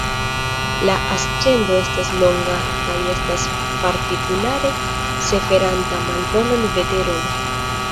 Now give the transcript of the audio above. La ascendo estas longa kaj estas partikulare suferanta malbonan veteron.